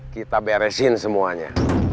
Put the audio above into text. kita beresin semuanya